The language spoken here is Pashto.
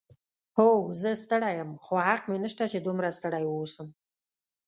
هو، زه ستړی یم، خو حق مې نشته چې دومره ستړی واوسم.